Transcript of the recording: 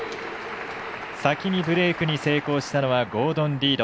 先にブレークに成功したのはゴードン・リード。